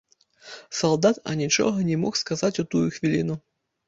Салдат анічога не мог сказаць у тую хвіліну.